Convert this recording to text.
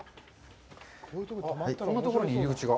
こんなところに入り口が。